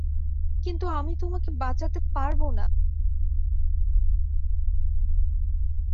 কিন্তু আমি তোমাকে বাঁচাতে পারব না।